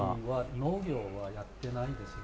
農業はやってないですね。